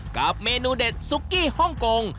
กับเมนูเด็ดซุกกี้ฮ่องกง